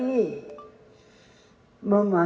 atau masukannya di rekayasa